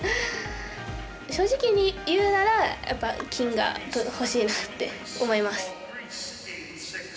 正直に言うならやっぱり金が欲しいなって思います。